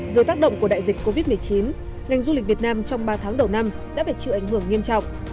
dưới tác động của đại dịch covid một mươi chín ngành du lịch việt nam trong ba tháng đầu năm đã phải chịu ảnh hưởng nghiêm trọng